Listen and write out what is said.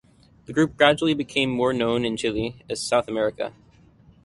The group gradually became more known in Chile and South America.